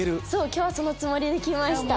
今日はそのつもりで来ました。